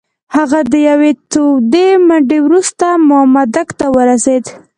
هغه د یوې تودې منډې وروسته مامدک ته ورسېد.